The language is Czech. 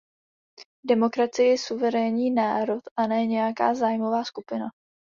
V demokracii je suverénním národ, a ne nějaká zájmová skupina.